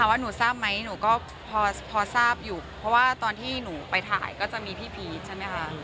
ว่าหนูทราบไหมหนูก็พอทราบอยู่เพราะว่าตอนที่หนูไปถ่ายก็จะมีพี่พีชใช่ไหมคะ